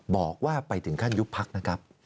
บอกว่าไปถึงขั้นยุบพักนะครับ